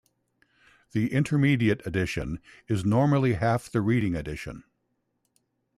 The intermediate addition is normally half the reading addition.